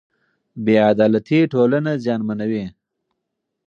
بې عدالتي ټولنه زیانمنوي.